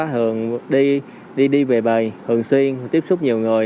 thường đi về bài thường xuyên tiếp xúc nhiều người